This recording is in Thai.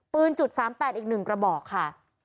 ปืน๐๓๘๑กระบอกค่ะ